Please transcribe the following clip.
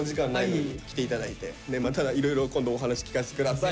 またいろいろ今度お話聞かせて下さい。